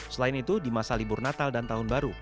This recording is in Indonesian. selain itu di masa libur natal dan tahun baru